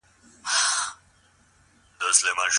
تجارانو وويل چي ګټه زياته ده.